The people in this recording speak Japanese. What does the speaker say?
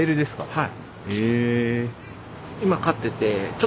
はい。